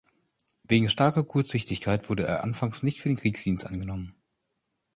Wegen starker Kurzsichtigkeit wurde er anfangs nicht für den Kriegsdienst angenommen.